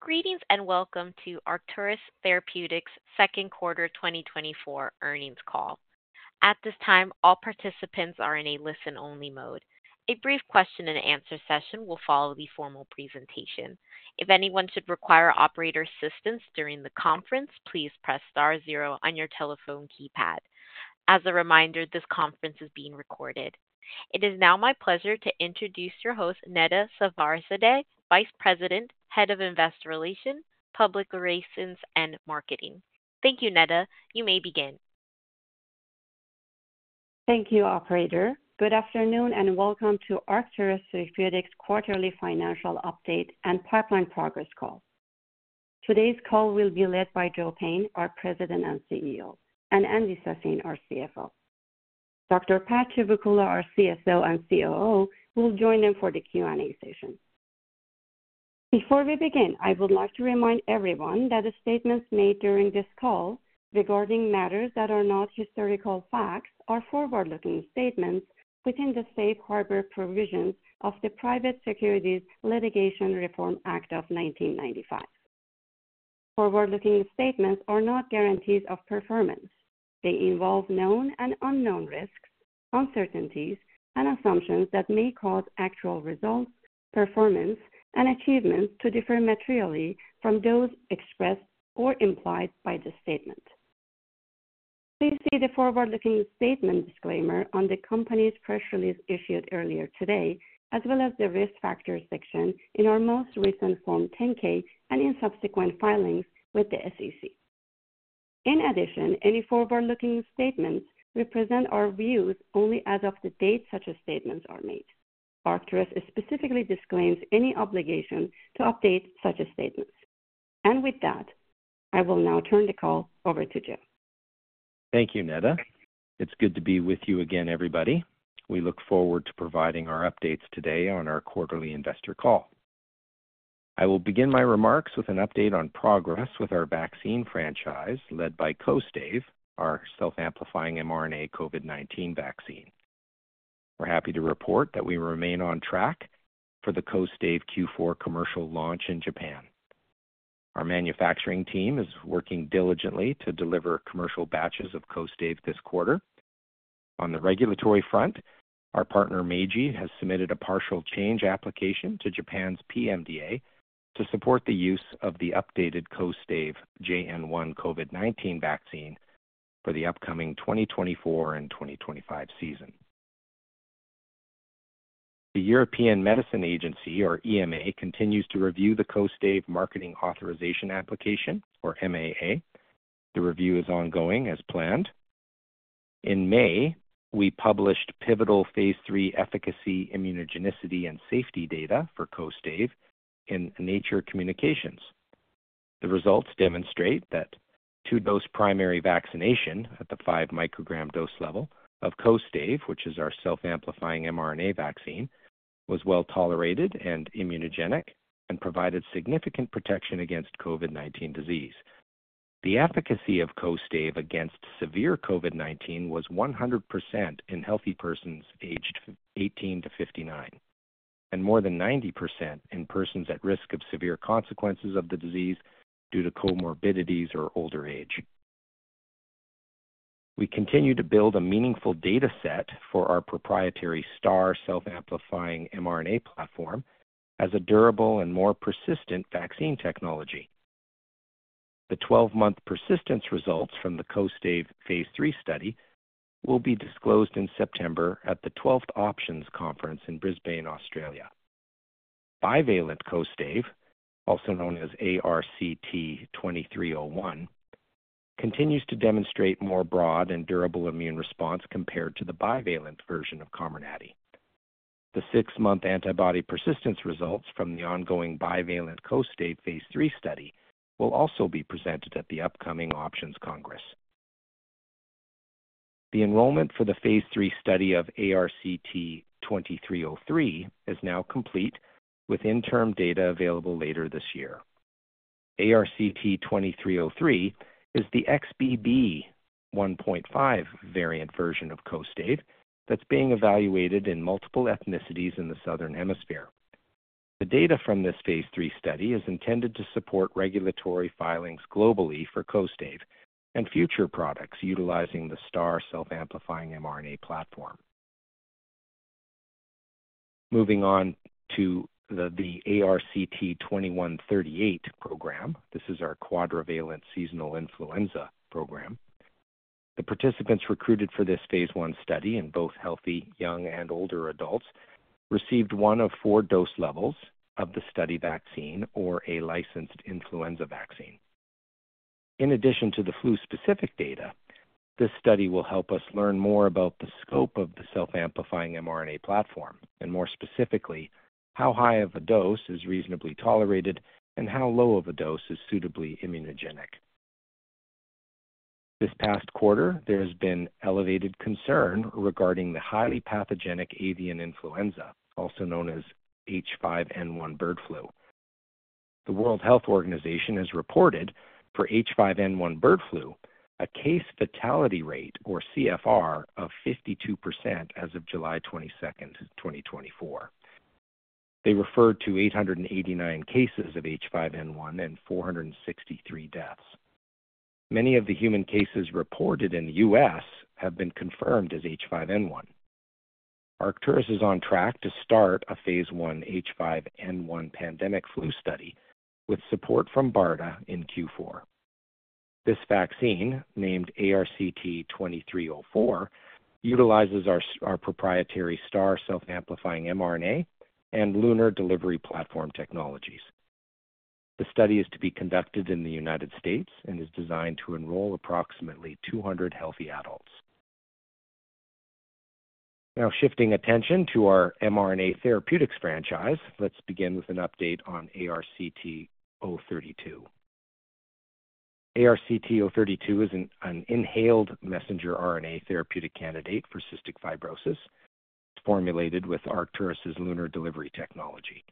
Greetings, and welcome to Arcturus Therapeutics' Second Quarter 2024 Earnings Call. At this time, all participants are in a listen-only mode. A brief question and answer session will follow the formal presentation. If anyone should require operator assistance during the conference, please press star zero on your telephone keypad. As a reminder, this conference is being recorded. It is now my pleasure to introduce your host, Neda Safarzadeh, Vice President, Head of Investor Relations, Public Relations, and Marketing. Thank you, Neda. You may begin. Thank you, operator. Good afternoon, and welcome to Arcturus Therapeutics' quarterly financial update and pipeline progress call. Today's call will be led by Joe Payne, our President and CEO, and Andy Sassine, our CFO. Dr. Pad Chivukula, our CSO and COO, will join them for the Q&A session. Before we begin, I would like to remind everyone that the statements made during this call regarding matters that are not historical facts are forward-looking statements within the safe harbor provisions of the Private Securities Litigation Reform Act of 1995. Forward-looking statements are not guarantees of performance. They involve known and unknown risks, uncertainties, and assumptions that may cause actual results, performance, and achievements to differ materially from those expressed or implied by this statement. Please see the forward-looking statements disclaimer on the company's press release issued earlier today, as well as the risk factors section in our most recent Form 10-K and in subsequent filings with the SEC. In addition, any forward-looking statements represent our views only as of the date such statements are made. Arcturus specifically disclaims any obligation to update such a statement. With that, I will now turn the call over to Joe. Thank you, Neda. It's good to be with you again, everybody. We look forward to providing our updates today on our quarterly investor call. I will begin my remarks with an update on progress with our vaccine franchise, led by Kostaive, our self-amplifying mRNA COVID-19 vaccine. We're happy to report that we remain on track for the KostaiveQ4 commercial launch in Japan. Our manufacturing team is working diligently to deliver commercial batches of Kostaive this quarter. On the regulatory front, our partner, Meiji, has submitted a partial change application to Japan's PMDA to support the use of the updated Kostaive JN.1 COVID-19 vaccine for the upcoming 2024 and 2025 season. The European Medicines Agency, or EMA, continues to review the Kostaive Marketing Authorization Application, or MAA. The review is ongoing as planned. In May, we published pivotal phase III efficacy, immunogenicity, and safety data for Kostaive in Nature Communications. The results demonstrate that two-dose primary vaccination at the 5 microgram dose level of Kostaive, which is our self-amplifying mRNA vaccine, was well-tolerated and immunogenic and provided significant protection against COVID-19 disease. The efficacy of Kostaive against severe COVID-19 was 100% in healthy persons aged 18 to 59, and more than 90% in persons at risk of severe consequences of the disease due to comorbidities or older age. We continue to build a meaningful data set for our proprietary STAR self-amplifying mRNA platform as a durable and more persistent vaccine technology. The 12-month persistence results from the Kostaive phase III study will be disclosed in September at the 12th Options Congress in Brisbane, Australia. Bivalent Kostaive, also known as ARCT-2301, continues to demonstrate more broad and durable immune response compared to the bivalent version of COMIRNATY. The six-month antibody persistence results from the ongoing bivalent Kostaive phase III study will also be presented at the upcoming Options Congress. The enrollment for the phase III study of ARCT-2303 is now complete, with interim data available later this year. ARCT-2303 is the XBB.1.5 variant version of Kostaive that's being evaluated in multiple ethnicities in the Southern Hemisphere. The data from this phase III study is intended to support regulatory filings globally for Kostaive and future products utilizing the STAR self-amplifying mRNA platform. Moving on to the ARCT-2138 program. This is our quadrivalent seasonal influenza program. The participants recruited for this phase I study in both healthy young and older adults received one of four dose levels of the study vaccine or a licensed influenza vaccine. In addition to the flu-specific data, this study will help us learn more about the scope of the self-amplifying mRNA platform, and more specifically, how high of a dose is reasonably tolerated and how low of a dose is suitably immunogenic. This past quarter, there has been elevated concern regarding the highly pathogenic avian influenza, also known as H5N1 bird flu. The World Health Organization has reported for H5N1 bird flu a case fatality rate, or CFR, of 52% as of July 22, 2024. They referred to 889 cases of H5N1 and 463 deaths. Many of the human cases reported in the U.S. have been confirmed as H5N1. Arcturus is on track to start a phase I H5N1 pandemic flu study with support from BARDA in Q4. This vaccine, named ARCT-2304, utilizes our proprietary STAR self-amplifying mRNA and LUNAR delivery platform technologies. The study is to be conducted in the United States and is designed to enroll approximately 200 healthy adults. Now, shifting attention to our mRNA therapeutics franchise, let's begin with an update on ARCT-032. ARCT-032 is an inhaled messenger RNA therapeutic candidate for cystic fibrosis, formulated with Arcturus' LUNAR delivery technology.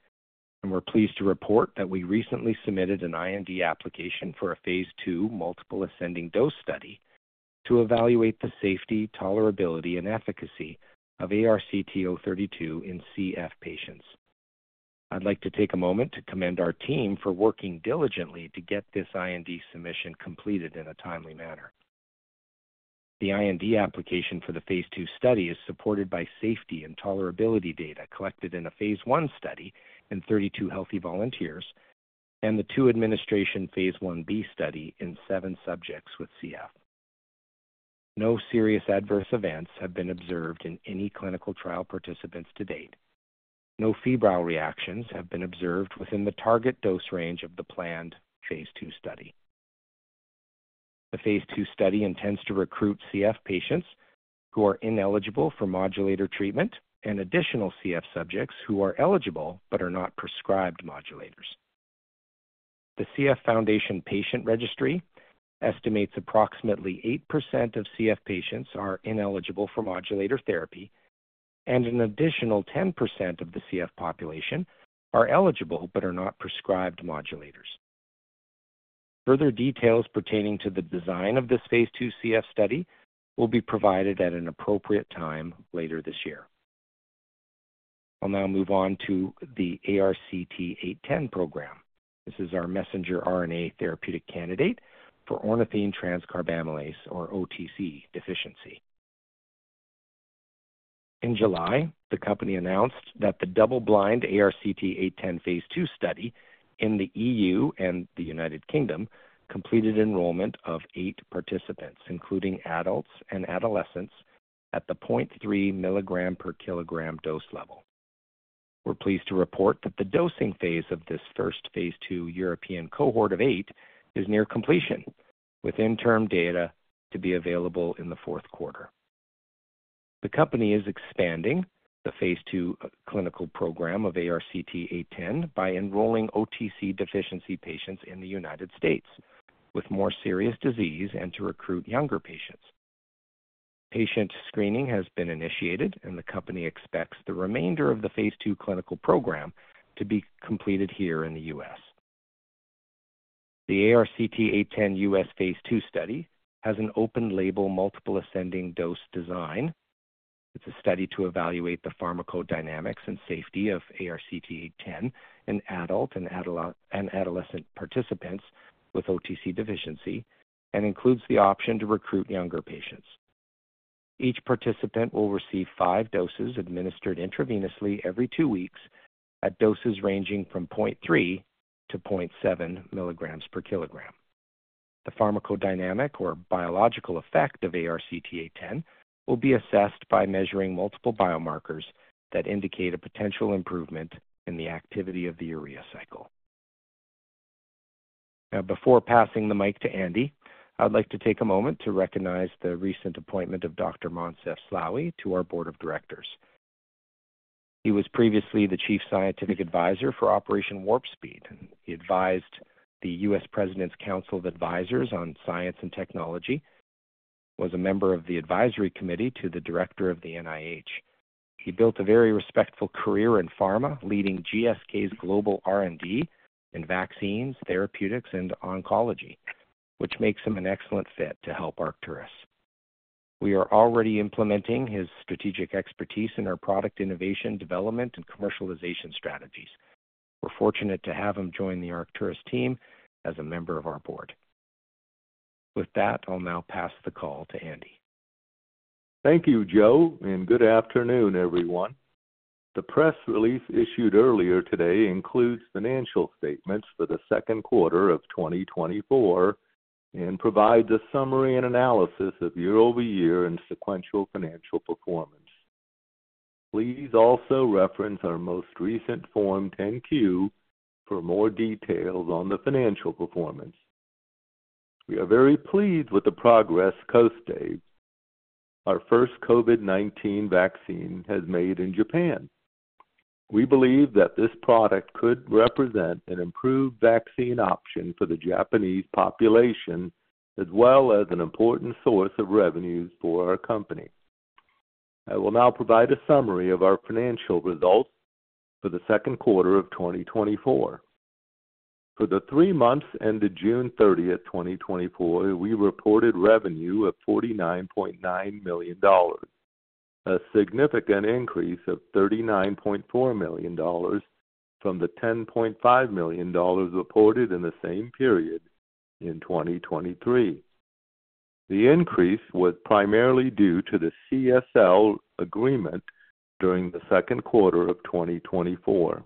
And we're pleased to report that we recently submitted an IND application for a phase II multiple ascending dose study to evaluate the safety, tolerability, and efficacy of ARCT-032 in CF patients. I'd like to take a moment to commend our team for working diligently to get this IND submission completed in a timely manner. The IND application for the phase II study is supported by safety and tolerability data collected in a phase I study in 32 healthy volunteers and the two administration phase Ib study in 7 subjects with CF. No serious adverse events have been observed in any clinical trial participants to date. No febrile reactions have been observed within the target dose range of the planned phase II study. The phase II study intends to recruit CF patients who are ineligible for modulator treatment and additional CF subjects who are eligible but are not prescribed modulators. The CF Foundation Patient Registry estimates approximately 8% of CF patients are ineligible for modulator therapy, and an additional 10% of the CF population are eligible but are not prescribed modulators. Further details pertaining to the design of this phase II CF study will be provided at an appropriate time later this year. I'll now move on to the ARCT-810 program. This is our messenger RNA therapeutic candidate for ornithine transcarbamylase, or OTC, deficiency. In July, the company announced that the double-blind ARCT-810 phase II study in the EU and the United Kingdom completed enrollment of 8 participants, including adults and adolescents, at the 0.3 mg/kg dose level. We're pleased to report that the dosing phase of this first phase II European cohort of 8 is near completion, with interim data to be available in the fourth quarter. The company is expanding the phase II clinical program of ARCT-810 by enrolling OTC deficiency patients in the United States, with more serious disease and to recruit younger patients. Patient screening has been initiated, and the company expects the remainder of the phase II clinical program to be completed here in the U.S. The ARCT-810 U.S. phase II study has an open label, multiple ascending dose design. It's a study to evaluate the pharmacodynamics and safety of ARCT-810 in adult and adolescent participants with OTC deficiency and includes the option to recruit younger patients. Each participant will receive 5 doses administered intravenously every 2 weeks, at doses ranging from 0.3 to 0.7 milligrams per kilogram. The pharmacodynamic or biological effect of ARCT-810 will be assessed by measuring multiple biomarkers that indicate a potential improvement in the activity of the urea cycle. Now, before passing the mic to Andy, I'd like to take a moment to recognize the recent appointment of Dr. Moncef Slaoui to our board of directors. He was previously the Chief Scientific Advisor for Operation Warp Speed, and he advised the U.S. President's Council of Advisors on Science and Technology, was a member of the advisory committee to the director of the NIH. He built a very respectful career in pharma, leading GSK's global R&D in vaccines, therapeutics, and oncology, which makes him an excellent fit to help Arcturus. We are already implementing his strategic expertise in our product innovation, development, and commercialization strategies. We're fortunate to have him join the Arcturus team as a member of our board. With that, I'll now pass the call to Andy. Thank you, Joe, and good afternoon, everyone. The press release issued earlier today includes financial statements for the second quarter of 2024 and provides a summary and analysis of year-over-year and sequential financial performance. Please also reference our most recent Form 10-Q for more details on the financial performance. We are very pleased with the progress Kostaive, our first COVID-19 vaccine, has made in Japan. We believe that this product could represent an improved vaccine option for the Japanese population, as well as an important source of revenues for our company.... I will now provide a summary of our financial results for the second quarter of 2024. For the three months ended June 30, 2024, we reported revenue of $49.9 million, a significant increase of $39.4 million from the $10.5 million reported in the same period in 2023. The increase was primarily due to the CSL agreement during the second quarter of 2024.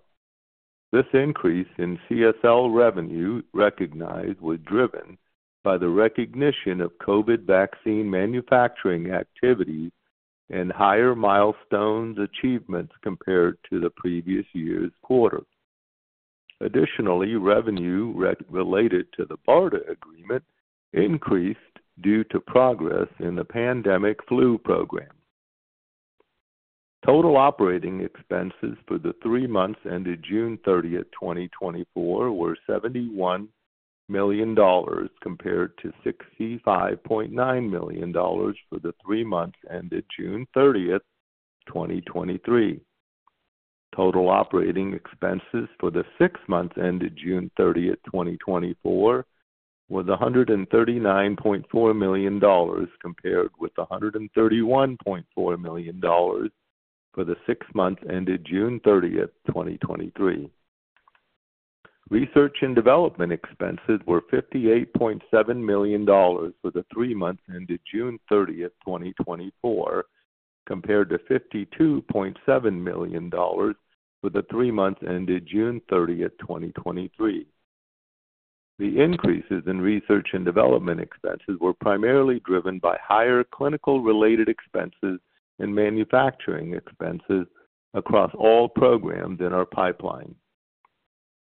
This increase in CSL revenue recognized was driven by the recognition of COVID vaccine manufacturing activities and higher milestones achievements compared to the previous year's quarter. Additionally, revenue related to the BARDA agreement increased due to progress in the pandemic flu program. Total operating expenses for the three months ended June 30, 2024, were $71 million, compared to $65.9 million for the three months ended June 30, 2023. Total operating expenses for the six months ended June 30, 2024, was $139.4 million, compared with $131.4 million for the six months ended June 30, 2023. Research and development expenses were $58.7 million for the three months ended June 30, 2024, compared to $52.7 million for the three months ended June 30, 2023. The increases in research and development expenses were primarily driven by higher clinical-related expenses and manufacturing expenses across all programs in our pipeline.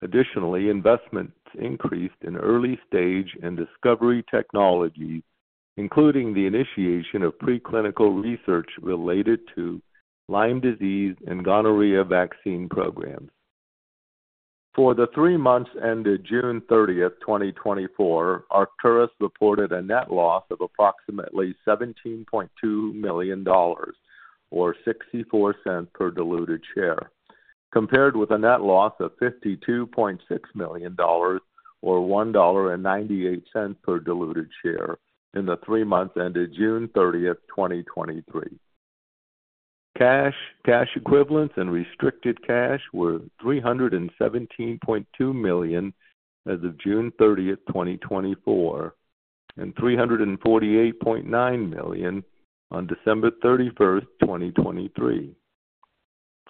Additionally, investments increased in early stage and discovery technologies, including the initiation of preclinical research related to Lyme disease and gonorrhea vaccine programs. For the three months ended June 30, 2024, Arcturus reported a net loss of approximately $17.2 million, or $0.64 per diluted share, compared with a net loss of $52.6 million or $1.98 per diluted share in the three months ended June 30, 2023. Cash, cash equivalents and restricted cash were $317.2 million as of June 30, 2024, and $348.9 million on December 31, 2023.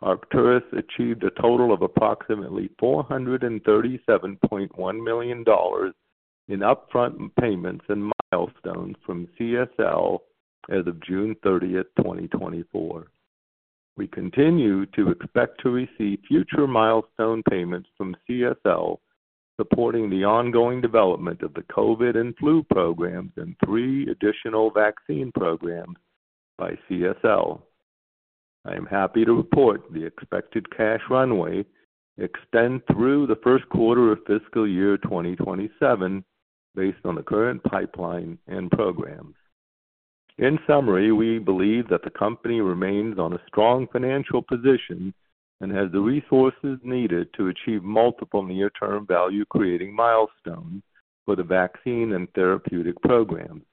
Arcturus achieved a total of approximately $437.1 million in upfront payments and milestones from CSL as of June 30, 2024. We continue to expect to receive future milestone payments from CSL, supporting the ongoing development of the COVID and flu programs and three additional vaccine programs by CSL. I am happy to report the expected cash runway extend through the first quarter of fiscal year 2027, based on the current pipeline and programs. In summary, we believe that the company remains on a strong financial position and has the resources needed to achieve multiple near-term value creating milestones for the vaccine and therapeutic programs.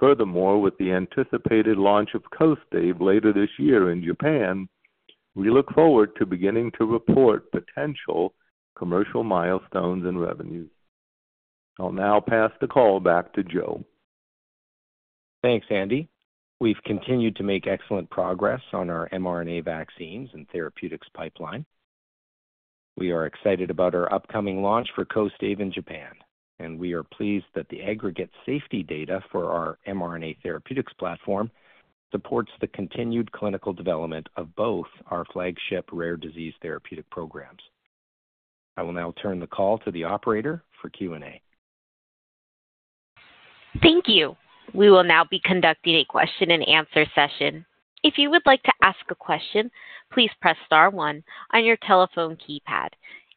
Furthermore, with the anticipated launch of Kostaive later this year in Japan, we look forward to beginning to report potential commercial milestones and revenues. I'll now pass the call back to Joe. Thanks, Andy. We've continued to make excellent progress on our mRNA vaccines and therapeutics pipeline. We are excited about our upcoming launch for Kostaive in Japan, and we are pleased that the aggregate safety data for our mRNA therapeutics platform supports the continued clinical development of both our flagship rare disease therapeutic programs. I will now turn the call to the operator for Q&A. Thank you. We will now be conducting a question-and-answer session. If you would like to ask a question, please press star one on your telephone keypad.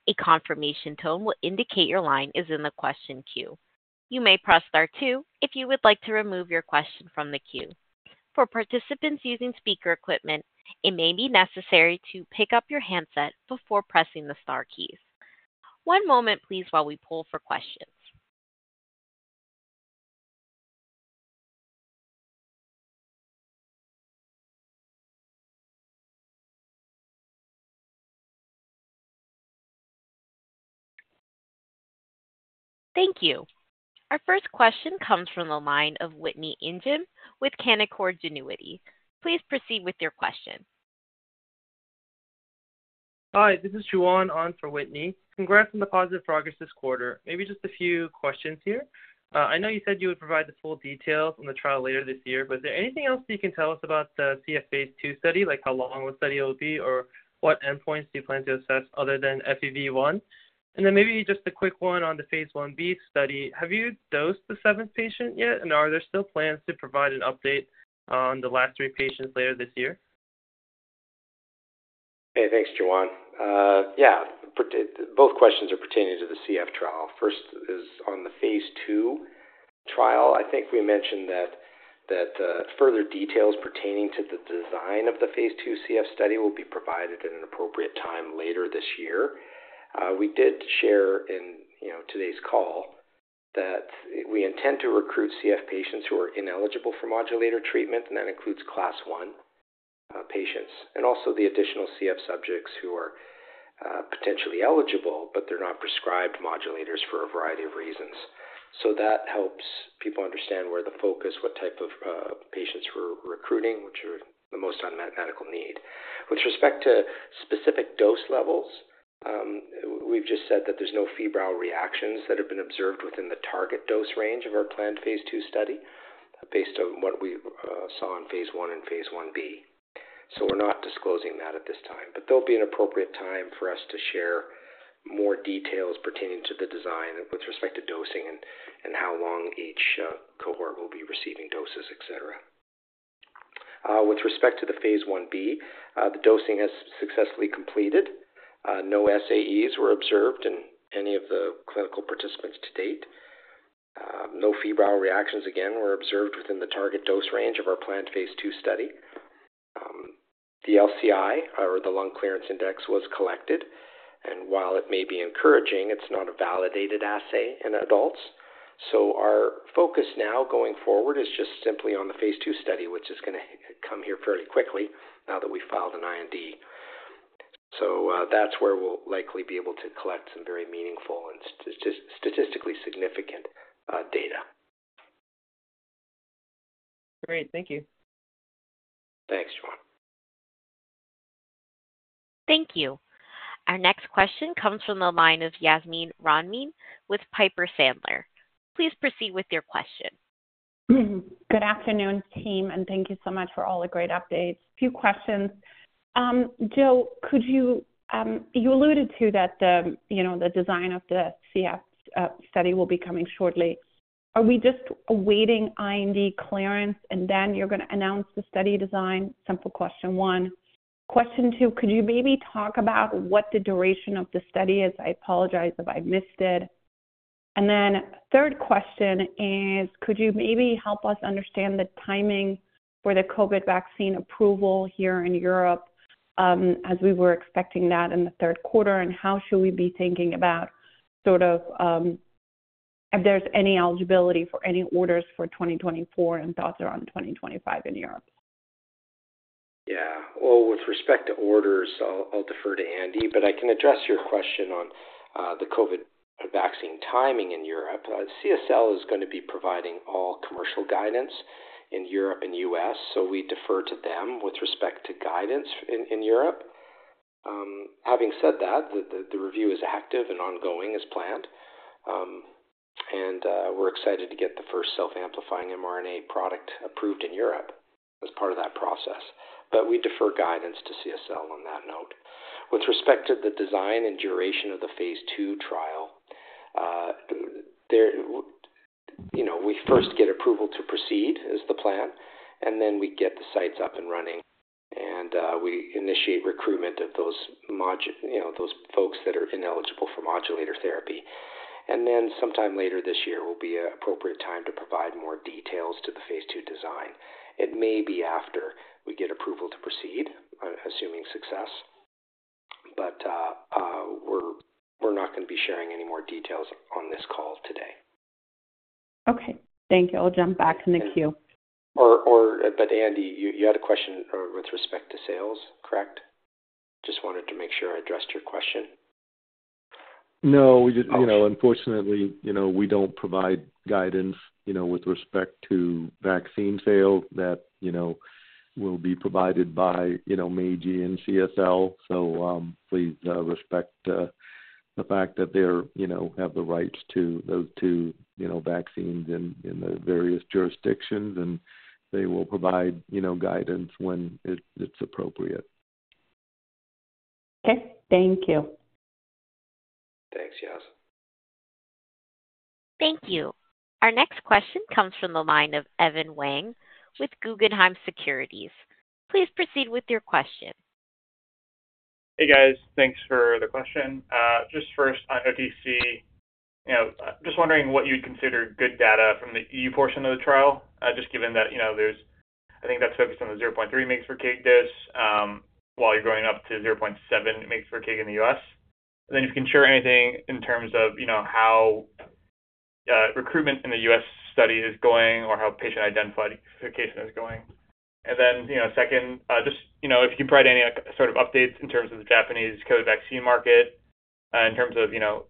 A confirmation tone will indicate your line is in the question queue. You may press star two if you would like to remove your question from the queue. For participants using speaker equipment, it may be necessary to pick up your handset before pressing the star keys. One moment, please, while we pull for questions. Thank you. Our first question comes from the line of Whitney Ijem with Canaccord Genuity. Please proceed with your question. Hi, this is Joohwan on for Whitney. Congrats on the positive progress this quarter. Maybe just a few questions here. I know you said you would provide the full details on the trial later this year, but is there anything else you can tell us about the CF phase 2 study? Like, how long the study will be, or what endpoints do you plan to assess other than FEV1? And then maybe just a quick one on the phase 1 B study. Have you dosed the seventh patient yet? And are there still plans to provide an update on the last three patients later this year? Hey, thanks, Joohwan. Yeah, both questions are pertaining to the CF trial. First is on the phase II trial. I think we mentioned that further details pertaining to the design of the phase II CF study will be provided at an appropriate time later this year. We did share in, you know, today's call that we intend to recruit CF patients who are ineligible for modulator treatment, and that includes Class I patients, and also the additional CF subjects who are potentially eligible, but they're not prescribed modulators for a variety of reasons. So that helps people understand where the focus, what type of patients we're recruiting, which are the most unmet medical need. With respect to specific dose levels, we've just said that there's no febrile reactions that have been observed within the target dose range of our planned phase II study, based on what we saw in phase I and phase Ia. So we're not disclosing that at this time, but there'll be an appropriate time for us to share more details pertaining to the design with respect to dosing and how long each cohort will be receiving doses, et cetera. With respect to the phase Ib, the dosing has successfully completed. No SAEs were observed in any of the clinical participants to date. No febrile reactions, again, were observed within the target dose range of our planned phase II study. The LCI, or the lung clearance index, was collected, and while it may be encouraging, it's not a validated assay in adults. Our focus now going forward is just simply on the phase II study, which is going to come here fairly quickly now that we've filed an IND. That's where we'll likely be able to collect some very meaningful and statistically significant data. Great. Thank you. Thanks, Joohwan. Thank you. Our next question comes from the line of Yasmeen Rahimi with Piper Sandler. Please proceed with your question. Good afternoon, team, and thank you so much for all the great updates. A few questions. Joe, could you, you alluded to that the, you know, the design of the CF study will be coming shortly. Are we just awaiting IND clearance and then you're going to announce the study design? Simple question one. Question two, could you maybe talk about what the duration of the study is? I apologize if I missed it. And then third question is, could you maybe help us understand the timing for the COVID vaccine approval here in Europe, as we were expecting that in the third quarter, and how should we be thinking about sort of, if there's any eligibility for any orders for 2024 and thoughts around 2025 in Europe? Yeah. Well, with respect to orders, I'll defer to Andy, but I can address your question on the COVID vaccine timing in Europe. CSL is going to be providing all commercial guidance in Europe and U.S., so we defer to them with respect to guidance in Europe. Having said that, the review is active and ongoing as planned, and we're excited to get the first self-amplifying mRNA product approved in Europe as part of that process. But we defer guidance to CSL on that note. With respect to the design and duration of the phase II trial, there, you know, we first get approval to proceed, is the plan, and then we get the sites up and running, and we initiate recruitment of those, you know, those folks that are ineligible for modulator therapy. Then sometime later this year will be an appropriate time to provide more details to the phase II design. It may be after we get approval to proceed, assuming success, but we're not going to be sharing any more details on this call today. Okay. Thank you. I'll jump back in the queue. But Andy, you had a question with respect to sales, correct? Just wanted to make sure I addressed your question. No, you know, unfortunately, you know, we don't provide guidance, you know, with respect to vaccine sales that, you know, will be provided by, you know, Meiji and CSL. So, please respect the fact that they're, you know, have the rights to those two, you know, vaccines in the various jurisdictions, and they will provide, you know, guidance when it's appropriate. Okay. Thank you. Thanks, Yas. Thank you. Our next question comes from the line of Evan Wang with Guggenheim Securities. Please proceed with your question. Hey, guys. Thanks for the question. Just first on OTC, you know, just wondering what you'd consider good data from the E.U. portion of the trial, just given that, you know, I think that's focused on the 0.3 mg/kg dose, while you're going up to 0.7 mg/kg in the U.S. And then if you can share anything in terms of, you know, how recruitment in the U.S. study is going or how patient identification is going. And then, you know, second, just, you know, if you provide any sort of updates in terms of the Japanese COVID vaccine market, in terms of, you know,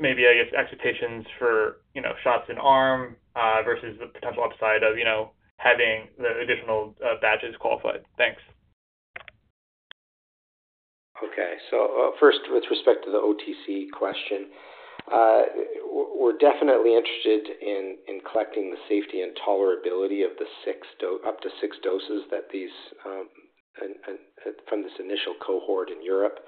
maybe, I guess, expectations for, you know, shots in arm, versus the potential upside of, you know, having the additional batches qualified. Thanks. Okay. So, first, with respect to the OTC question, we're definitely interested in collecting the safety and tolerability of the six dose up to six doses that these from this initial cohort in Europe.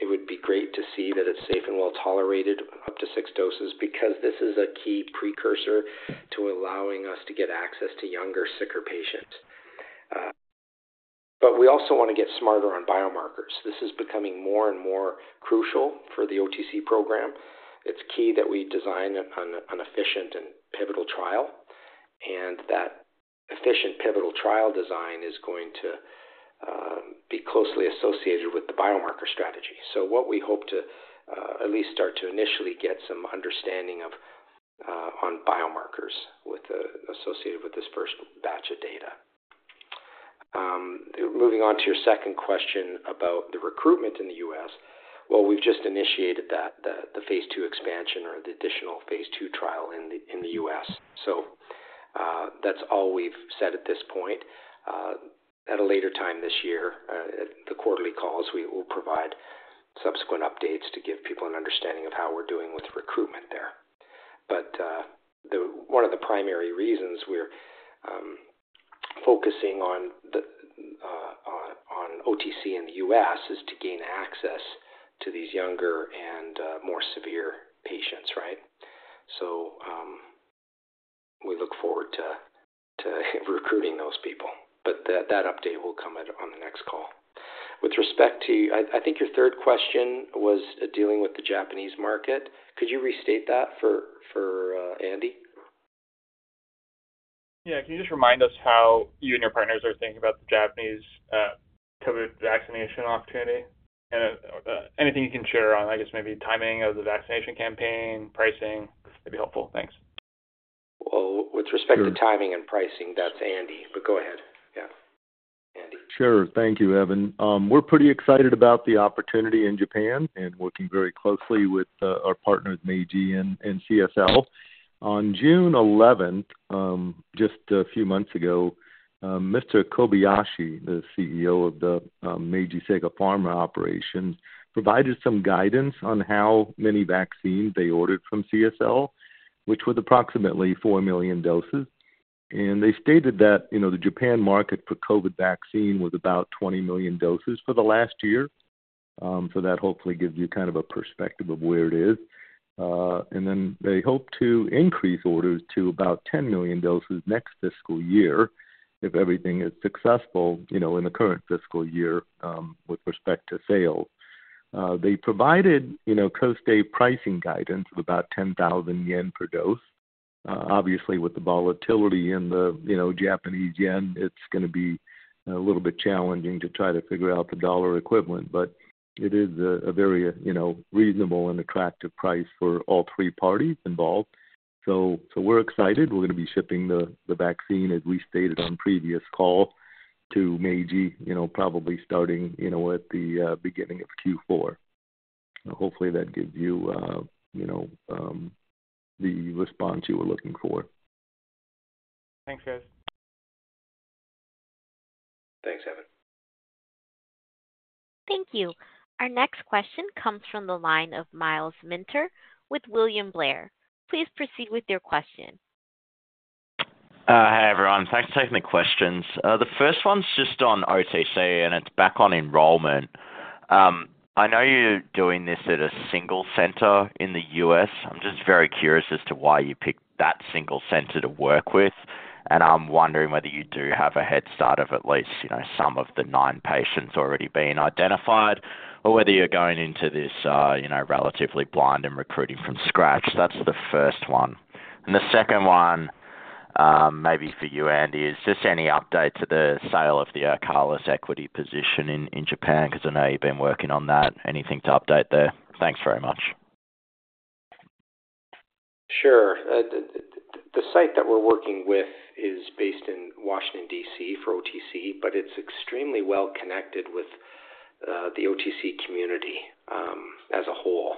It would be great to see that it's safe and well tolerated up to six doses, because this is a key precursor to allowing us to get access to younger, sicker patients. But we also want to get smarter on biomarkers. This is becoming more and more crucial for the OTC program. It's key that we design an efficient and pivotal trial, and that efficient pivotal trial design is going to be closely associated with the biomarker strategy. So what we hope to at least start to initially get some understanding of on biomarkers with the associated with this first batch of data. Moving on to your second question about the recruitment in the U.S. Well, we've just initiated that, the phase two expansion or the additional phase two trial in the U.S. So, that's all we've said at this point. At a later time this year, at the quarterly calls, we will provide subsequent updates to give people an understanding of how we're doing with recruitment there. But, the... One of the primary reasons we're focusing on OTC in the U.S. is to gain access to these younger and more severe patients, right? So, we look forward to recruiting those people, but that update will come on the next call. With respect to... I think your third question was dealing with the Japanese market. Could you restate that for Andy? Yeah. Can you just remind us how you and your partners are thinking about the Japanese COVID vaccination opportunity? And, anything you can share on, I guess, maybe timing of the vaccination campaign, pricing, would be helpful. Thanks. Well, with respect to timing and pricing, that's Andy, but go ahead. Yeah, Andy. Sure. Thank you, Evan. We're pretty excited about the opportunity in Japan and working very closely with our partners, Meiji and CSL. On June eleventh, just a few months ago, Mr. Kobayashi, the CEO of the Meiji Seika Pharma operation, provided some guidance on how many vaccines they ordered from CSL, which was approximately 4 million doses. And they stated that, you know, the Japan market for COVID vaccine was about 20 million doses for the last year. So that hopefully gives you kind of a perspective of where it is. And then they hope to increase orders to about 10 million doses next fiscal year, if everything is successful, you know, in the current fiscal year with respect to sales. They provided, you know, KOSTAIVE pricing guidance of about 10,000 yen per dose. Obviously, with the volatility in the, you know, Japanese yen, it's gonna be a little bit challenging to try to figure out the dollar equivalent, but it is a very, you know, reasonable and attractive price for all three parties involved. So we're excited. We're gonna be shipping the vaccine, as we stated on previous call, to Meiji, you know, probably starting, you know, at the beginning of Q4. Hopefully, that gives you, you know, the response you were looking for. Thanks, guys. Thanks, Evan. Thank you. Our next question comes from the line of Myles Minter with William Blair. Please proceed with your question. Hi, everyone. Thanks for taking the questions. The first one's just on OTC, and it's back on enrollment. I know you're doing this at a single center in the U.S. I'm just very curious as to why you picked that single center to work with, and I'm wondering whether you do have a head start of at least, you know, some of the nine patients already being identified, or whether you're going into this, you know, relatively blind and recruiting from scratch. That's the first one. And the second one, maybe for you, Andy, is just any update to the sale of the Arcalis equity position in, in Japan, because I know you've been working on that. Anything to update there? Thanks very much. Sure. The site that we're working with is based in Washington, D.C., for OTC, but it's extremely well connected with the OTC community as a whole.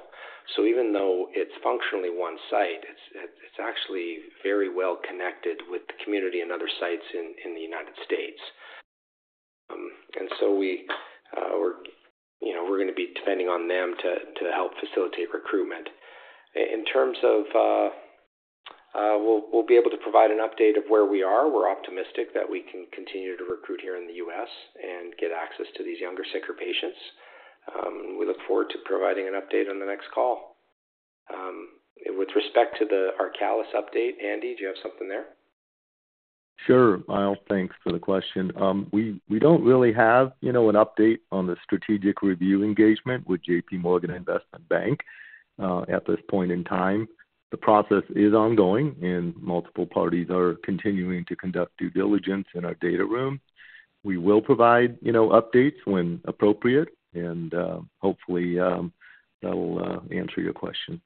So even though it's functionally one site, it's actually very well connected with the community and other sites in the United States. And so we, you know, we're gonna be depending on them to help facilitate recruitment. In terms of, we'll be able to provide an update of where we are. We're optimistic that we can continue to recruit here in the US and get access to these younger, sicker patients. We look forward to providing an update on the next call. With respect to the Arcalis update, Andy, do you have something there? Sure. Myles, thanks for the question. We don't really have, you know, an update on the strategic review engagement with J.P. Morgan, at this point in time. The process is ongoing, and multiple parties are continuing to conduct due diligence in our data room. We will provide, you know, updates when appropriate, and, hopefully, that'll answer your question.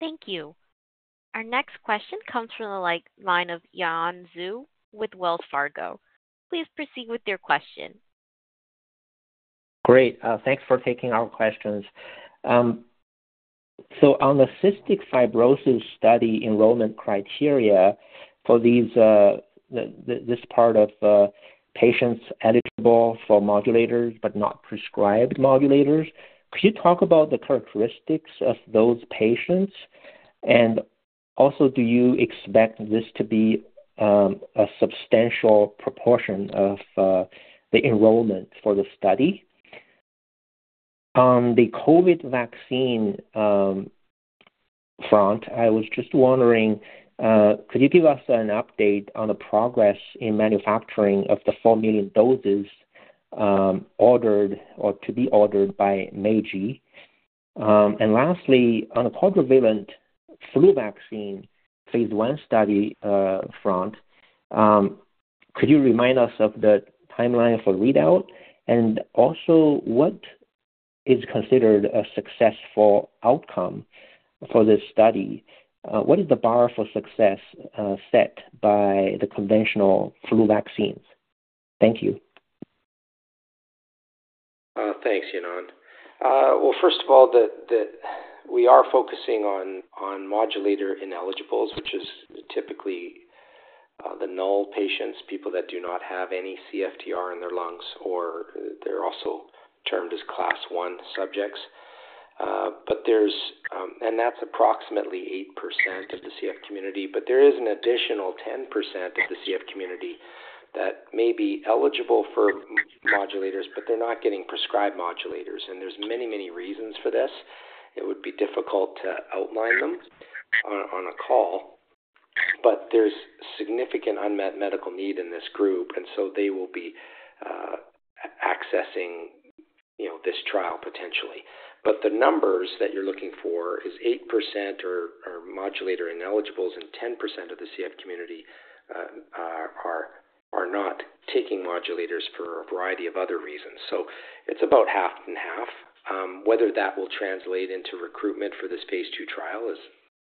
Thank you. Our next question comes from the, like, line of Yanan Zhu with Wells Fargo. Please proceed with your question. Great. Thanks for taking our questions. So on the cystic fibrosis study enrollment criteria for these, this part of patients eligible for modulators but not prescribed modulators, could you talk about the characteristics of those patients? And also, do you expect this to be a substantial proportion of the enrollment for the study? On the COVID vaccine front, I was just wondering, could you give us an update on the progress in manufacturing of the 4 million doses ordered or to be ordered by Meiji? And lastly, on the quadrivalent flu vaccine phase 1 study front, could you remind us of the timeline for readout? And also, what is considered a successful outcome for this study? What is the bar for success set by the conventional flu vaccines? Thank you. Thanks, Yanan. Well, first of all, we are focusing on modulator ineligibles, which is typically the null patients, people that do not have any CFTR in their lungs, or they're also termed as class one subjects. But that's approximately 8% of the CF community, but there is an additional 10% of the CF community that may be eligible for modulators, but they're not getting prescribed modulators, and there's many, many reasons for this. It would be difficult to outline them on a call, but there's significant unmet medical need in this group, and so they will be accessing, you know, this trial potentially. But the numbers that you're looking for is 8% are modulator ineligibles, and 10% of the CF community are not taking modulators for a variety of other reasons. So it's about half and half. Whether that will translate into recruitment for this phase two trial is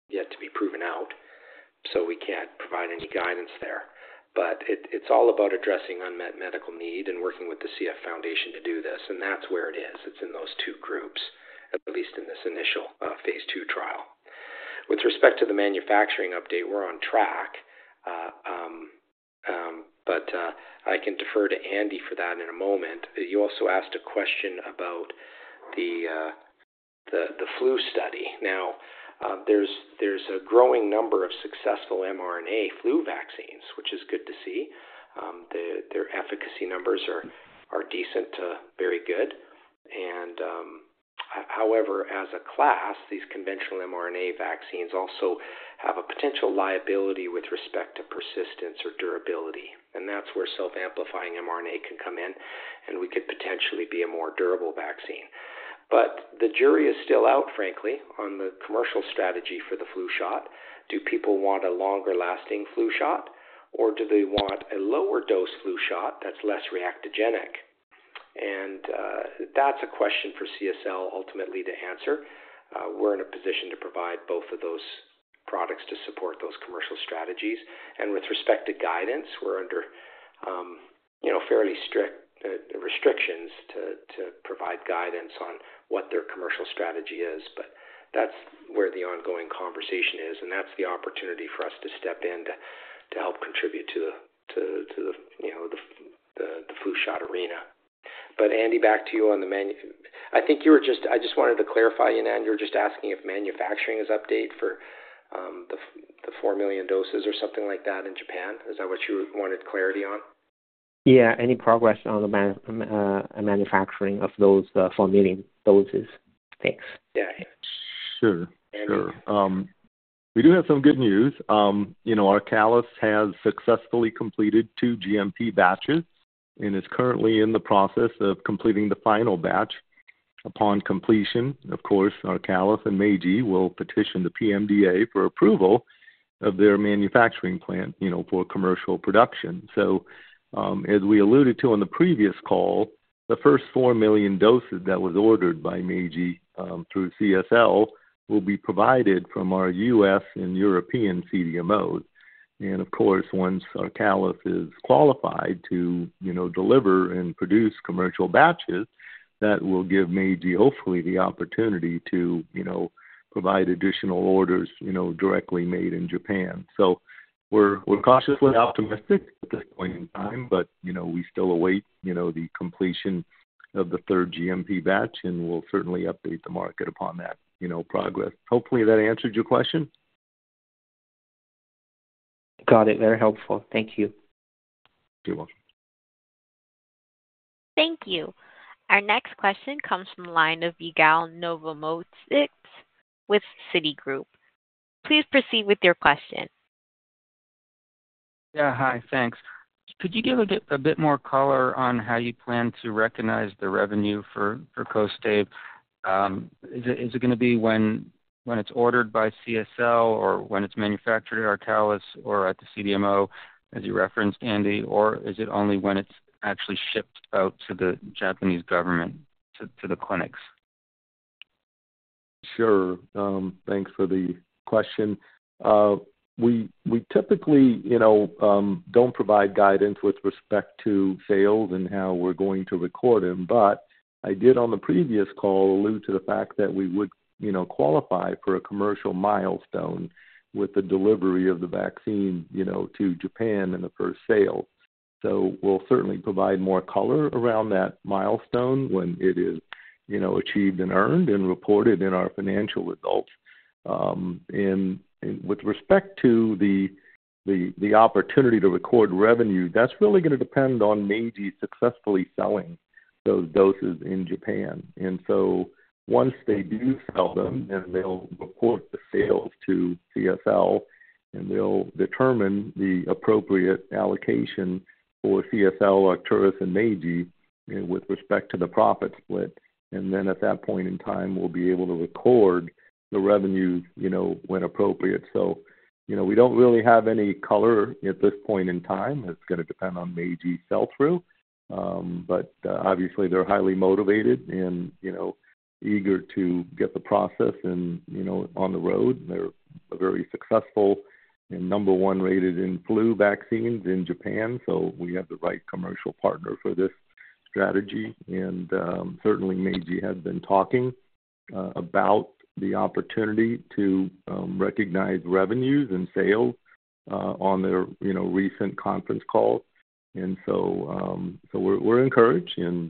yet to be proven out, so we can't provide any guidance there. But it, it's all about addressing unmet medical need and working with the CF Foundation to do this, and that's where it is. It's in those two groups, at least in this initial phase two trial. With respect to the manufacturing update, we're on track. But I can defer to Andy for that in a moment. You also asked a question about the the flu study. Now, there's a growing number of successful mRNA flu vaccines, which is good to see. Their efficacy numbers are decent to very good. However, as a class, these conventional mRNA vaccines also have a potential liability with respect to persistence or durability, and that's where self-amplifying mRNA can come in, and we could potentially be a more durable vaccine. But the jury is still out, frankly, on the commercial strategy for the flu shot. Do people want a longer lasting flu shot, or do they want a lower dose flu shot that's less reactogenic? That's a question for CSL ultimately to answer. We're in a position to provide both of those products to support those commercial strategies. With respect to guidance, we're under, you know, fairly strict restrictions to provide guidance on what their commercial strategy is, but that's where the ongoing conversation is, and that's the opportunity for us to step in to help contribute to the, you know, the flu shot arena. But Andy, back to you on the manufacturing, I think you were just, I just wanted to clarify, Yanan, you were just asking if the manufacturing update for the 4 million doses or something like that in Japan. Is that what you wanted clarity on? Yeah. Any progress on the manufacturing of those 4 million doses? Thanks. Yeah. Sure, sure. We do have some good news. You know, ARCALIS has successfully completed 2 GMP batches and is currently in the process of completing the final batch. Upon completion, of course, ARCALIS and Meiji will petition the PMDA for approval of their manufacturing plant, you know, for commercial production. So, as we alluded to on the previous call, the first 4 million doses that was ordered by Meiji through CSL will be provided from our U.S. and European CDMO. Of course, once ARCALIS is qualified to, you know, deliver and produce commercial batches, that will give Meiji, hopefully, the opportunity to, you know, provide additional orders, you know, directly made in Japan. So we're cautiously optimistic at this point in time, but, you know, we still await, you know, the completion of the third GMP batch, and we'll certainly update the market upon that, you know, progress. Hopefully, that answered your question. Got it. Very helpful. Thank you. You're welcome. Thank you. Our next question comes from the line of Miguel Novo Moedes with Citigroup. Please proceed with your question. Yeah. Hi, thanks. Could you give a bit more color on how you plan to recognize the revenue for KOSTAIVE? Is it gonna be when it's ordered by CSL, or when it's manufactured at Arcalis or at the CDMO, as you referenced, Andy, or is it only when it's actually shipped out to the Japanese government, to the clinics? Sure. Thanks for the question. We typically, you know, don't provide guidance with respect to sales and how we're going to record them, but I did, on the previous call, allude to the fact that we would, you know, qualify for a commercial milestone with the delivery of the vaccine, you know, to Japan and the first sale.... So we'll certainly provide more color around that milestone when it is, you know, achieved and earned and reported in our financial results. And with respect to the opportunity to record revenue, that's really gonna depend on Meiji successfully selling those doses in Japan. And so once they do sell them, then they'll report the sales to CSL, and they'll determine the appropriate allocation for CSL, Arcturus, and Meiji with respect to the profit split. Then at that point in time, we'll be able to record the revenue, you know, when appropriate. So, you know, we don't really have any color at this point in time. It's gonna depend on Meiji sell-through. But, obviously they're highly motivated and, you know, eager to get the process and, you know, on the road. They're very successful and number one rated in flu vaccines in Japan, so we have the right commercial partner for this strategy. And, certainly Meiji has been talking about the opportunity to recognize revenues and sales on their, you know, recent conference call. So, we're encouraged and,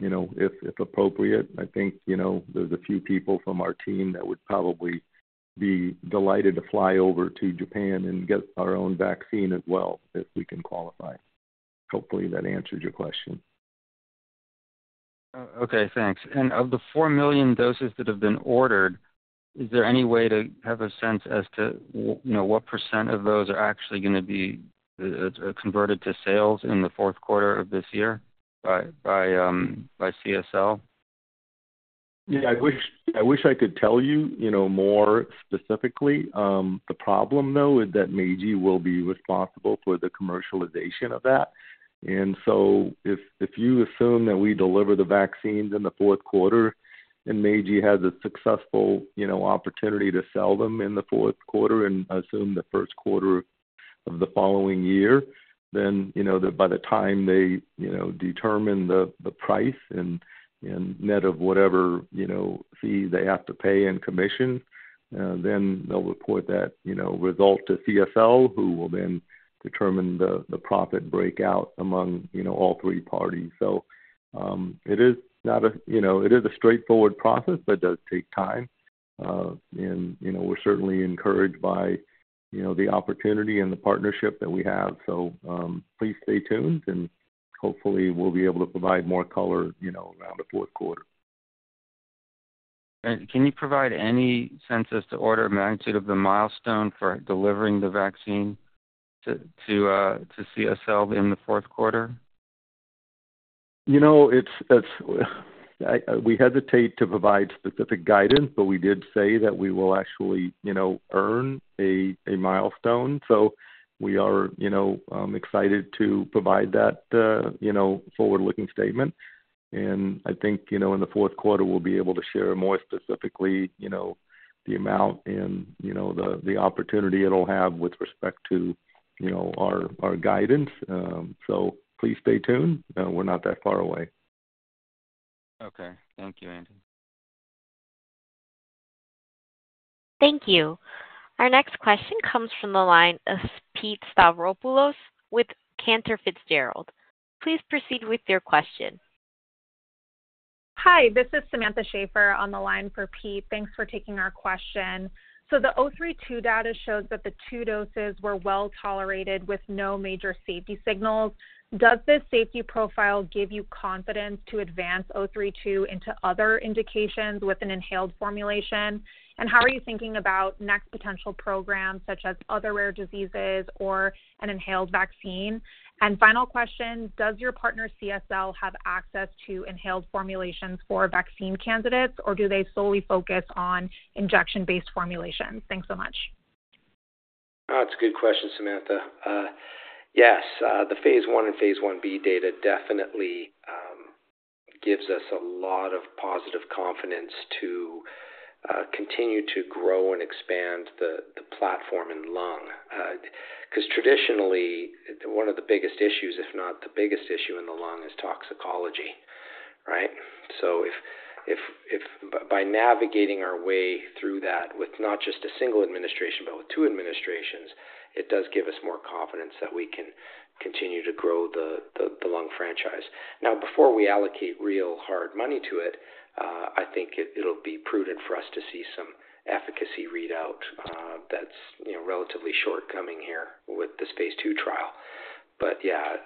you know, if appropriate, I think, you know, there's a few people from our team that would probably be delighted to fly over to Japan and get our own vaccine as well, if we can qualify. Hopefully, that answered your question. Okay, thanks. Of the 4 million doses that have been ordered, is there any way to have a sense as to, you know, what % of those are actually gonna be converted to sales in the fourth quarter of this year by CSL? Yeah, I wish, I wish I could tell you, you know, more specifically. The problem, though, is that Meiji will be responsible for the commercialization of that. So if you assume that we deliver the vaccines in the fourth quarter, and Meiji has a successful, you know, opportunity to sell them in the fourth quarter and assume the first quarter of the following year, then, you know, by the time they, you know, determine the price and net of whatever, you know, fee they have to pay in commission, then they'll report that, you know, result to CSL, who will then determine the profit breakout among, you know, all three parties. So, you know, it is a straightforward process, but it does take time. You know, we're certainly encouraged by, you know, the opportunity and the partnership that we have. Please stay tuned, and hopefully we'll be able to provide more color, you know, around the fourth quarter. Can you provide any sense as to order of magnitude of the milestone for delivering the vaccine to CSL in the fourth quarter? You know, it's—we hesitate to provide specific guidance, but we did say that we will actually, you know, earn a milestone. So we are, you know, excited to provide that, you know, forward-looking statement. And I think, you know, in the fourth quarter, we'll be able to share more specifically, you know, the amount and, you know, the, the opportunity it'll have with respect to, you know, our, our guidance. So please stay tuned. We're not that far away. Okay. Thank you, Andrew. Thank you. Our next question comes from the line of Pete Stavropoulos with Cantor Fitzgerald. Please proceed with your question. Hi, this is Samantha Schaefer on the line for Pete. Thanks for taking our question. So the ARCT-032 data shows that the two doses were well tolerated with no major safety signals. Does this safety profile give you confidence to advance ARCT-032 into other indications with an inhaled formulation? And how are you thinking about next potential programs, such as other rare diseases or an inhaled vaccine? And final question: Does your partner, CSL, have access to inhaled formulations for vaccine candidates, or do they solely focus on injection-based formulations? Thanks so much. Oh, it's a good question, Samantha. Yes, the phase 1 and phase 1b data definitely gives us a lot of positive confidence to continue to grow and expand the platform in lung. Because traditionally, one of the biggest issues, if not the biggest issue in the lung, is toxicology, right? So if by navigating our way through that with not just a single administration, but with two administrations, it does give us more confidence that we can continue to grow the lung franchise. Now, before we allocate real hard money to it, I think it'll be prudent for us to see some efficacy readout that's, you know, relatively forthcoming here with this phase 2 trial. But yeah,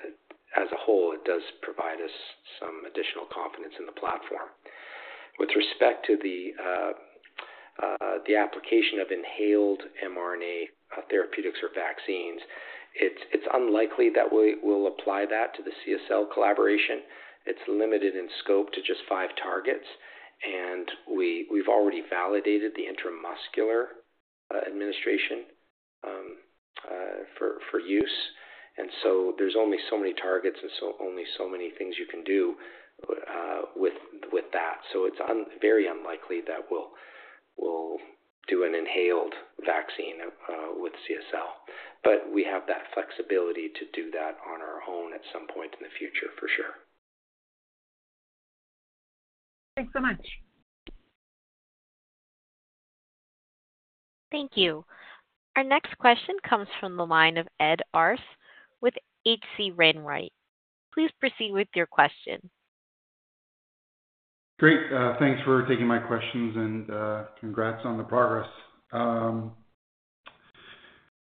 as a whole, it does provide us some additional confidence in the platform. With respect to the application of inhaled mRNA therapeutics or vaccines, it's unlikely that we will apply that to the CSL collaboration. It's limited in scope to just five targets, and we've already validated the intramuscular administration for use. And so there's only so many targets and so only so many things you can do with that. So it's very unlikely that we'll do an inhaled vaccine with CSL. But we have that flexibility to do that on our own at some point in the future, for sure. Thanks so much. Thank you. Our next question comes from the line of Ed Arce with H.C. Wainwright. Please proceed with your question. Great. Thanks for taking my questions, and congrats on the progress.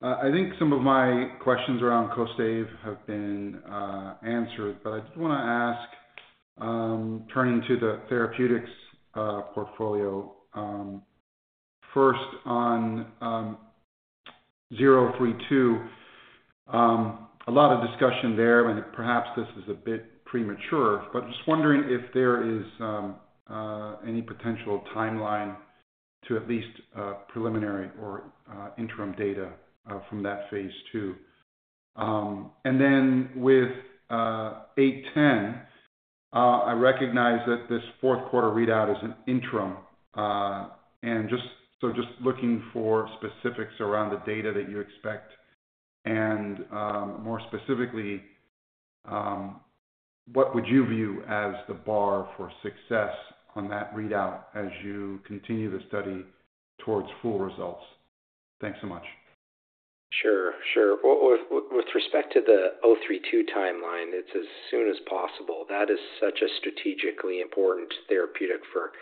I think some of my questions around COVID have been answered, but I did want to ask, turning to the therapeutics portfolio, first on ARCT-032. A lot of discussion there, and perhaps this is a bit premature, but just wondering if there is any potential timeline to at least preliminary or interim data from that phase two. And then with ARCT-810, I recognize that this fourth quarter readout is an interim. And just looking for specifics around the data that you expect, and more specifically, what would you view as the bar for success on that readout as you continue the study towards full results? Thanks so much. Sure, sure. Well, with respect to the ARCT-032 timeline, it's as soon as possible. That is such a strategically important therapeutic for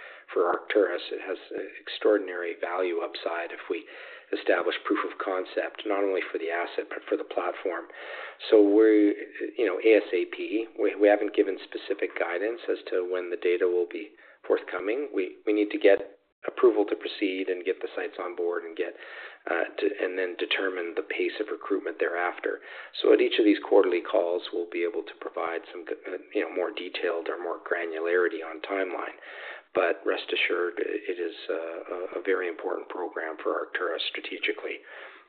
Arcturus. It has extraordinary value upside if we establish proof of concept, not only for the asset but for the platform. So we're, you know, ASAP. We haven't given specific guidance as to when the data will be forthcoming. We need to get approval to proceed and get the sites on board and get to. And then determine the pace of recruitment thereafter. So at each of these quarterly calls, we'll be able to provide some you know, more detailed or more granularity on timeline. But rest assured, it is a very important program for Arcturus strategically,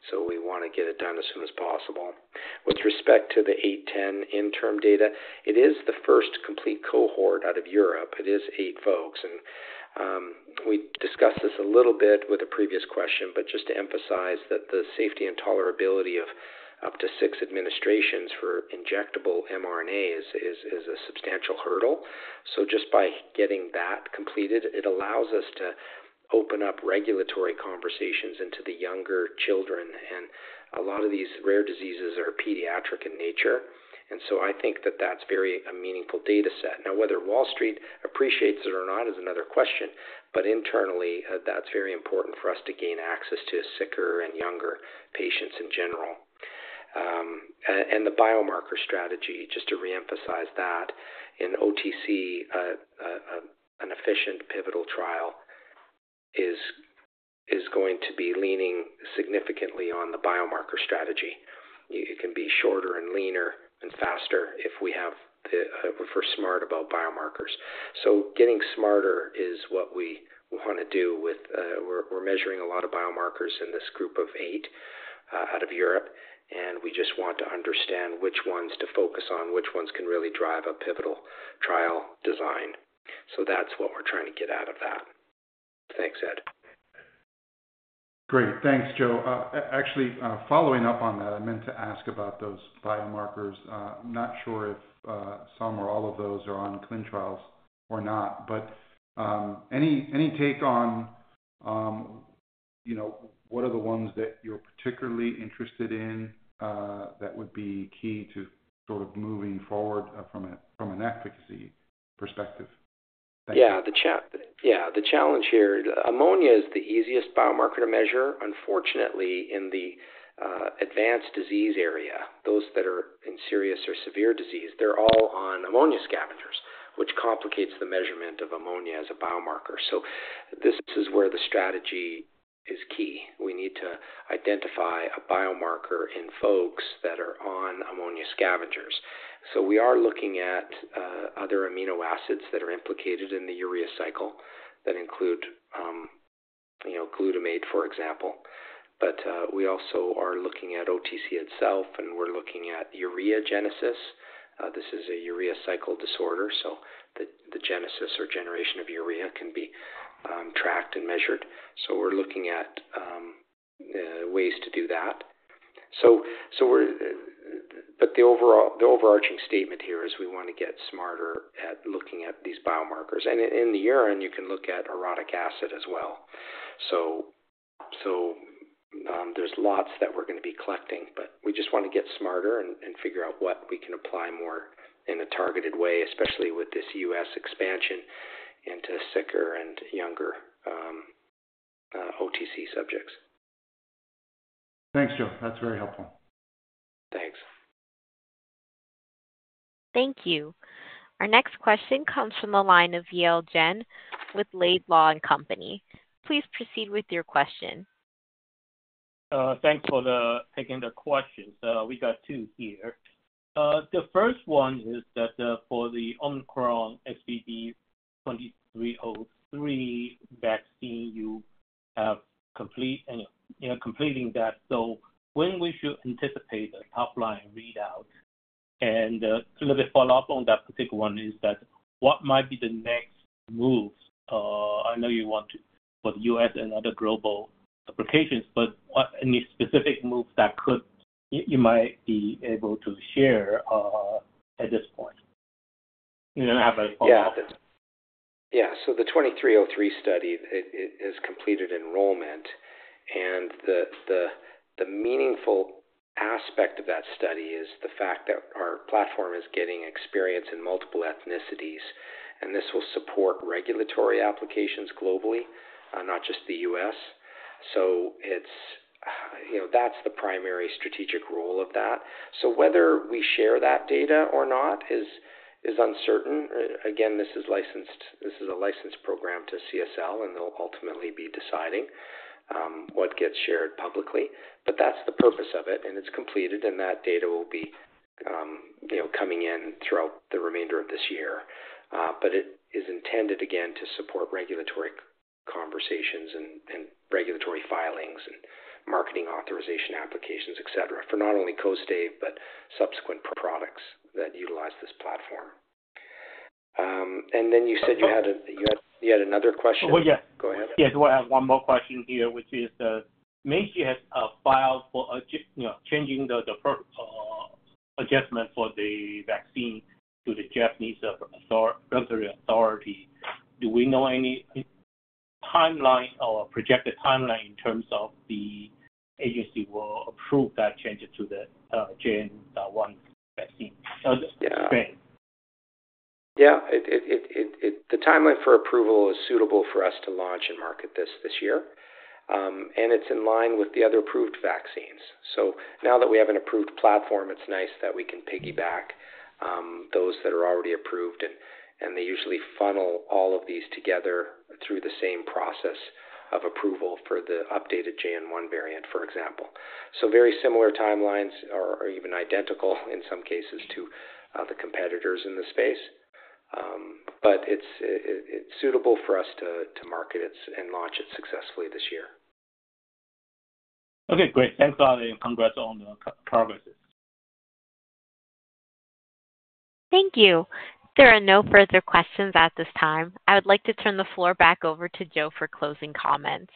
so we want to get it done as soon as possible. With respect to the 810 interim data, it is the first complete cohort out of Europe. It is eight folks, and we discussed this a little bit with a previous question, but just to emphasize that the safety and tolerability of up to six administrations for injectable mRNA is a substantial hurdle. So just by getting that completed, it allows us to open up regulatory conversations into the younger children, and a lot of these rare diseases are pediatric in nature. And so I think that that's very a meaningful data set. Now, whether Wall Street appreciates it or not is another question, but internally, that's very important for us to gain access to sicker and younger patients in general. The biomarker strategy, just to reemphasize that, in OTC, an efficient pivotal trial is going to be leaning significantly on the biomarker strategy. It can be shorter and leaner and faster if we're smart about biomarkers. So getting smarter is what we want to do with. We're measuring a lot of biomarkers in this group of eight out of Europe, and we just want to understand which ones to focus on, which ones can really drive a pivotal trial design. So that's what we're trying to get out of that. Thanks, Ed. Great. Thanks, Joe. Actually, following up on that, I meant to ask about those biomarkers. Not sure if some or all of those are on clinical trials or not, but any take on you know what are the ones that you're particularly interested in that would be key to sort of moving forward from an efficacy perspective? Yeah, the challenge here, ammonia is the easiest biomarker to measure. Unfortunately, in the advanced disease area, those that are in serious or severe disease, they're all on ammonia scavengers, which complicates the measurement of ammonia as a biomarker. So this is where the strategy is key. We need to identify a biomarker in folks that are on ammonia scavengers. So we are looking at other amino acids that are implicated in the urea cycle that include, you know, glutamate, for example. But we also are looking at OTC itself, and we're looking at ureagenesis. This is a urea cycle disorder, so the genesis or generation of urea can be tracked and measured. So we're looking at ways to do that. So we're... But the overall, the overarching statement here is we want to get smarter at looking at these biomarkers. And in the urine, you can look at orotic acid as well. So, there's lots that we're going to be collecting, but we just want to get smarter and figure out what we can apply more in a targeted way, especially with this US expansion into sicker and younger OTC subjects. Thanks, Joe. That's very helpful. Thanks. Thank you. Our next question comes from the line of Yale Jen with Laidlaw & Company. Please proceed with your question. Thanks for taking the questions. We got two here. The first one is that for the ARCT-2303 vaccine, you have complete and, you know, completing that. So when we should anticipate a top-line readout? And, to let me follow up on that particular one is that, what might be the next moves? I know you want to for the US and other global applications, but what any specific moves that could, you might be able to share, at this point? You don't have a follow-up? Yeah. Yeah, so the 2303 study, it has completed enrollment, and the meaningful aspect of that study is the fact that our platform is getting experience in multiple ethnicities, and this will support regulatory applications globally, not just the US. So it's, you know, that's the primary strategic role of that. So whether we share that data or not is uncertain. Again, this is licensed—this is a licensed program to CSL, and they'll ultimately be deciding what gets shared publicly. But that's the purpose of it, and it's completed, and that data will be, you know, coming in throughout the remainder of this year. But it is intended, again, to support regulatory conversations and regulatory filings and marketing authorization applications, et cetera, for not only Kostaive, but subsequent products that utilize this platform. And then you said you had another question? Well, yeah. Go ahead. Yes, well, I have one more question here, which is, Meiji has filed for adjustment, you know, changing the adjustment for the vaccine to the Japanese regulatory authority. Do we know any timeline or projected timeline in terms of the agency will approve that change to the JN.1 vaccine strain? Yeah. The timeline for approval is suitable for us to launch and market this year. It's in line with the other approved vaccines. So now that we have an approved platform, it's nice that we can piggyback those that are already approved, and they usually funnel all of these together through the same process of approval for the updated JN.1 variant, for example. So very similar timelines or even identical in some cases to the competitors in the space. But it's suitable for us to market it and launch it successfully this year. Okay, great. Thanks a lot, and congrats on the progress. Thank you. There are no further questions at this time. I would like to turn the floor back over to Joe for closing comments.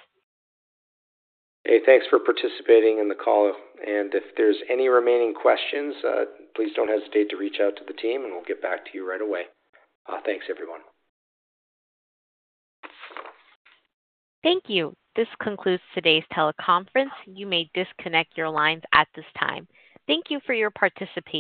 Hey, thanks for participating in the call, and if there's any remaining questions, please don't hesitate to reach out to the team, and we'll get back to you right away. Thanks, everyone. Thank you. This concludes today's teleconference. You may disconnect your lines at this time. Thank you for your participation.